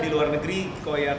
terus eksperimen sendiri ya